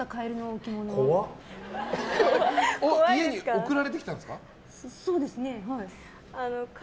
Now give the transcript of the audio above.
家に送られてきたんですか。